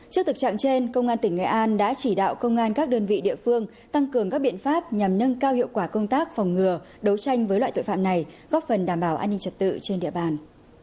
trước thực trạng trên công an tỉnh nghệ an đã chỉ đạo công an các đơn vị địa phương tăng cường các biện pháp nhằm nâng cao hiệu quả công tác phòng ngừa đấu tranh với loại tội phạm này góp phần đảm bảo an ninh trật tự trên địa bàn